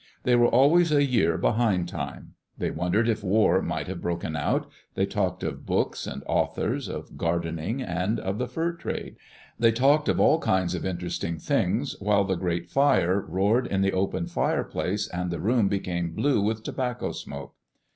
They were always a year behind time. They wondered if war might have broken out. They talked of books and authors, of gardening, and of the fur trade. They talked of all kinds of interesting things, while the great fire roared in the open fireplace and the room became blue with tobacco smoke.